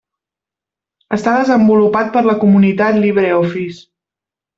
Està desenvolupat per la comunitat LibreOffice.